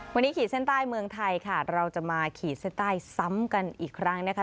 วันนี้ขีดเส้นใต้เมืองไทยค่ะเราจะมาขีดเส้นใต้ซ้ำกันอีกครั้งนะคะ